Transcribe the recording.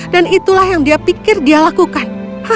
dan itulah yang dia pikir dia lakukan